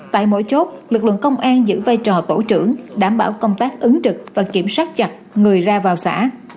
tại mỗi chốt lực lượng công an giữ vai trò tổ trưởng đảm bảo công tác ứng trực và kiểm soát chặt người ra vào xã